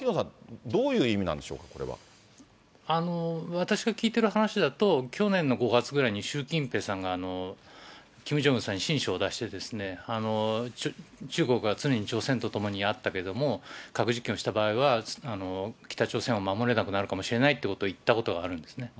私が聞いてる話だと、去年の５月ぐらいに習近平さんがキム・ジョンウンさんに親書を出して、中国は常に朝鮮とともにあったけども、核実験をした場合は、北朝鮮を守れなくなるかもしれないと言ったことがあるんですね。